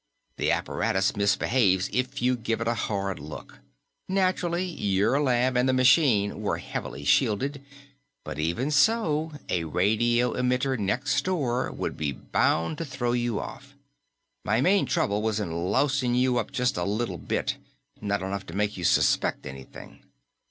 The apparatus misbehaves if you give it a hard look. Naturally, your lab and the machine were heavily shielded, but even so, a radio emitter next door would be bound to throw you off. My main trouble was in lousing you up just a little bit, not enough to make you suspect anything.